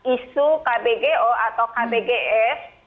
isu kbgo atau kbgs